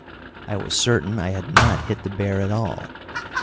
I was certain I had not hit the bear at all.